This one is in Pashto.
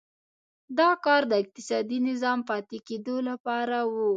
دا کار د اقتصادي نظام پاتې کېدو لپاره و.